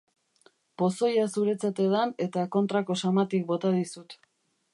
Pozoia zuretzat edan eta kontrako samatik bota dizut.